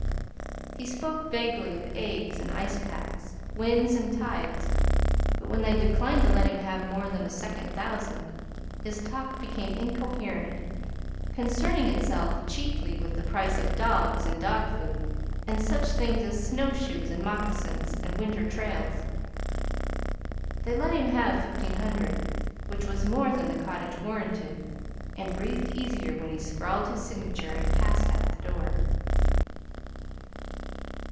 He spoke vaguely of eggs and ice packs, winds and tides; but when they declined to let him have more than a second thousand, his talk became incoherent, concerning itself chiefly with the price of dogs and dog food, and such things as snowshoes and moccasins and winter trails. They let him have fifteen hundred, which was more than the cottage warranted, and breathed easier when he scrawled his signature and passed out the door.